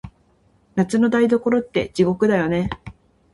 夏の台所って、地獄だよね。